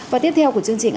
và tiếp theo của chương trình